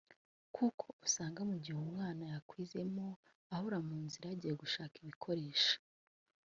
kuko usanga mu gihe umwana yakwizemo ahora mu nzira yagiye gushaka ibikoresho